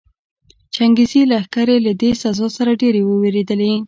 چنګېزي لښکرې له دې سزا څخه ډېرې ووېرېدلې.